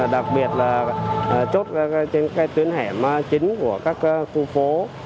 đặc biệt là chốt trên các tuyến hẻm chính của các khu phố